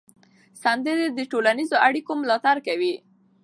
سندرې د ټولنیزو اړیکو ملاتړ کوي.